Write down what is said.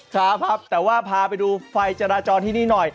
ครับครับแต่ว่าพาไปดูไฟจราจรที่นี่หน่อย